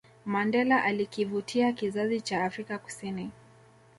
Mandela alikivutia kizazi cha Afrika Kusini